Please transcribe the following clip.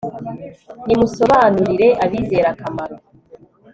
Nimusobanurire abizera akamaro